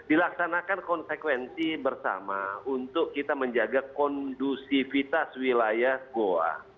dilaksanakan konsekuensi bersama untuk kita menjaga kondusivitas wilayah goa